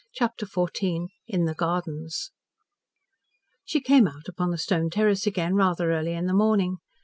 CHAPTER XIV IN THE GARDENS She came out upon the stone terrace again rather early in the morning.